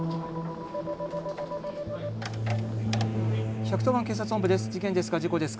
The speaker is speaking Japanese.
☎１１０番警察本部です。